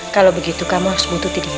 kalau begitu kamu harus membunuhnya